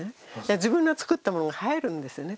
自分が作ったもの映えるんですよね